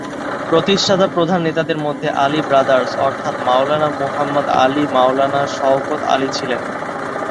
প্রতিষ্ঠাতা প্রধান নেতাদের মধ্যে আলী ব্রাদার্স, অর্থাৎ মাওলানা মুহাম্মদ আলি মাওলানা শওকত আলি ছিলেন।